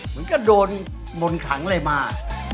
มันก็โดนมนต์ขังอะไรมา